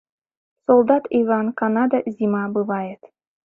Солдат Иван, Канада зима бывает?